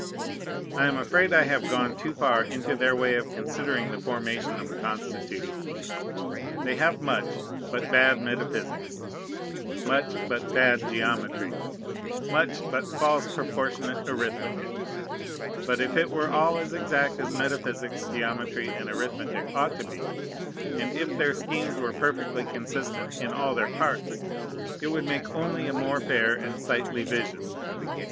I am afraid I have gone too far into their way of considering the formation of a Constitution. They have much, but bad, metaphysics, much, but bad, geometry, much, but false, proportionate arithmetic; but if it were all as exact as metaphysics, geometry, and arithmetic ought to be, and if their schemes were perfectly consistent in all their parts, it would make only a more fair and sightly vision.